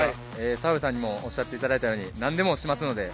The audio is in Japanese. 澤部さんにもおっしゃっていただいたように、何でもしますので。